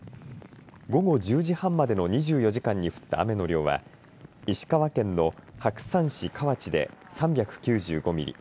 午後１０時半までの２４時間に降った雨の量は石川県の白山市河内で３９５ミリ